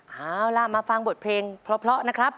เอาล่ะมาฟังบทเพลงเพราะนะครับ